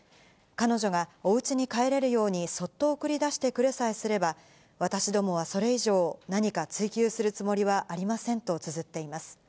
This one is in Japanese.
彼女がおうちに帰れるようにそっと送り出してくれさえすれば、私どもはそれ以上、何か追及するつもりはありませんとつづっています。